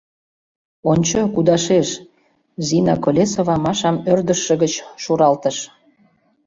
— Ончо, кудашеш, — Зина Колесова Машам ӧрдыжшӧ гыч шуралтыш.